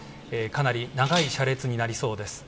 かなり長い車列になりそうです。